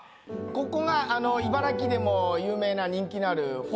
ここが茨城でも有名な人気のある。